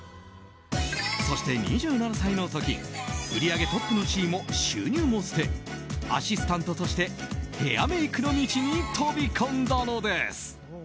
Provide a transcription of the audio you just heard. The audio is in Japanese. そして２７歳の時売り上げトップの地位も収入も捨てアシスタントとしてヘアメイクの道に飛び込んだのです。